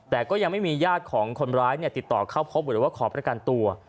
แต่ก็ยังไม่มีญาติของคนร้ายติดต่อเข้าพบหรือว่าขอประกันตัว